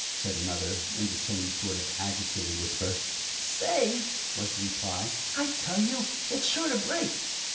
said another, in the same sort of agitated whisper. "Safe!" was the reply. "I tell you, it's sure to break!